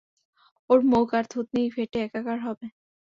ওর মুখ আর থুতনি ফেটে একাকার হবে।